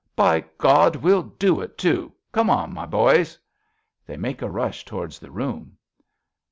By God, we'll do it, too ! Come on, my boys. {They make a rush towards the room.)